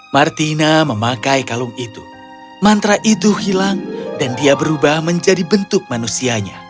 martina memakai kalung itu mantra itu hilang dan dia berubah menjadi bentuk manusianya